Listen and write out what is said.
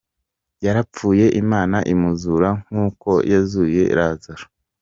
Yarapfuye Imana imuzura nk’uko yazuye Lazaro.